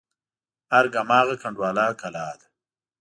ارګ هماغه کنډواله کلا ده.